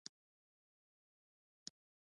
ویالې کروندې خړوبوي